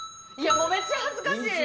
いや、もうめっちゃ恥ずかしい。